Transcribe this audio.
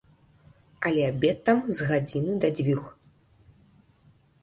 Але абед там з гадзіны да дзвюх.